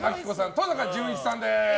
登坂淳一さんです。